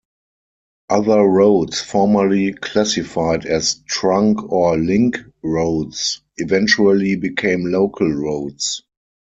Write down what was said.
Other roads formerly classified as Trunk or Link roads eventually became Local roads.